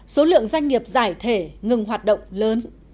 số lượng doanh nghiệp giải thể ngừng hoạt động lớn